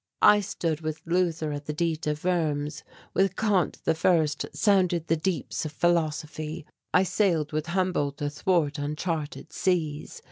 I stood with Luther at the Diet of Worms. With Kant I sounded the deeps of philosophy. I sailed with Humboldt athwart uncharted seas.